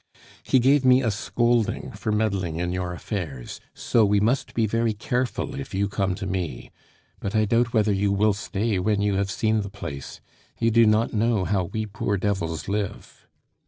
_" "He gave me a scolding for meddling in your affairs.... So we must be very careful if you come to me. But I doubt whether you will stay when you have seen the place; you do not know how we poor devils live."